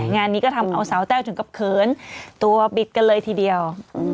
งานนี้ก็ทำเอาเสาแต้วจนก็เผิ้ลตัวบิดกันเลยทีเดียว